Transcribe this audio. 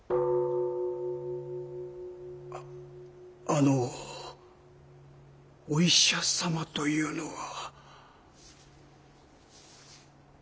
ああのお医者様というのは。